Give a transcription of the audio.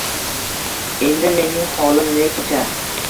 Endi mening xolim ne kechar?